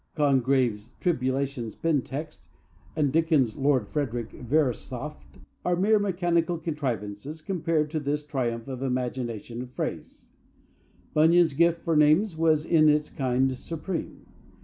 Congreve's "Tribulation Spintext" and Dickens's "Lord Frederick Verisopht" are mere mechanical contrivances compared to this triumph of imagination and phrase. Bunyan's gift for names was in its kind supreme.